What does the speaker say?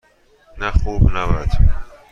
نه خوب - نه بد.